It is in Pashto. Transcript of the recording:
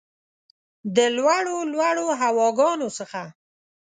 د لوړو ، لوړو هواګانو څخه